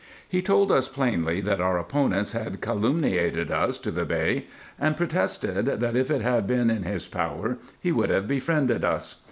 He told us plainly, that our opponents had calumniated vis to the Bey ; and protested, that if it had been in his power, he would have befriended us.